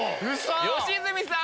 ⁉良純さん！